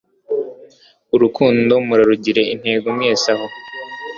urukundo, murarugire intego mwese aho